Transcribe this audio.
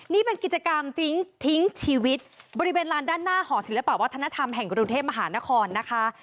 นี่เป็นกิจกรรมทิ้งทิ้งชีวิตบริเวณลานด้านหน้าหอศิลปะวัฒนธรรมแห่งกรุงเทพมหานครนะคะ